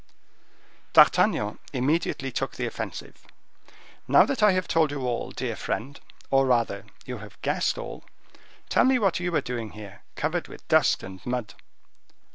D'Artagnan immediately took the offensive. "Now that I have told you all, dear friend, or rather you have guessed all, tell me what you are doing here, covered with dust and mud?"